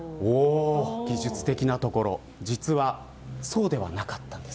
技術的なところ実はそうではなかったんです。